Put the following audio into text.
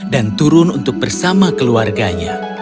dan turun untuk bersama keluarganya